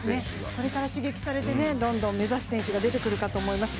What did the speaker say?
これから刺激されてどんどん目指す選手が出てくると思います。